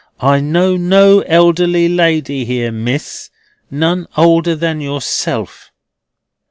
I know no elderly lady here, Miss, none older than yourself."